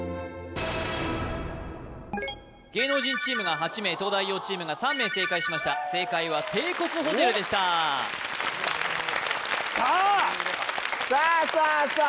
芸能人チームが８名東大王チームが３名正解しました正解は帝国ホテルでしたさあさあさあさあ